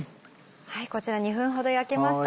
こちら２分ほど焼けました